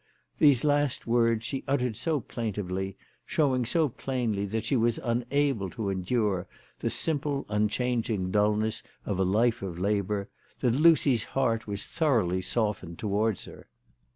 These last words she uttered so plaintively, showing so plainly that she was unable to endure the simple unchanging dulness of a life of labour, that Lucy's heart was thoroughly softened towards her.